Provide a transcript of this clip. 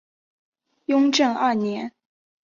雍正二年。